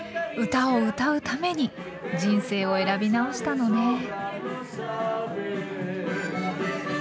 歌を歌うために人生を選びなおしたのね。